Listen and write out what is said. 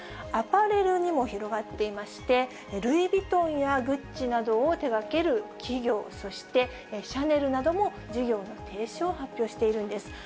アパレルにも広がっていまして、ルイ・ヴィトンやグッチなどを手がける企業、そしてシャネルなども、事業の停止を発表しているんです。